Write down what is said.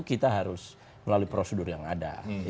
kita harus melalui prosedur yang ada